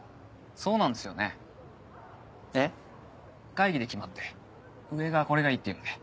会議で決まって上がこれがいいって言うので。